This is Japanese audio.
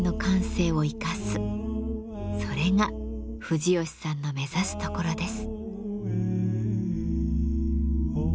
それが藤吉さんの目指すところです。